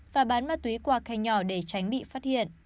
và bán ma túy qua khe nhỏ để tránh bị phát hiện